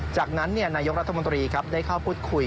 จากนั้นนายกรัฐมนตรีได้เข้าพูดคุย